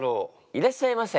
いらっしゃいませ。